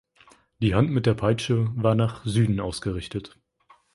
Die Hand mit der Peitsche war nach Süden ausgerichtet.